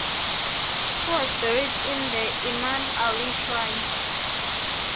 He was buried in the Imam Ali shrine.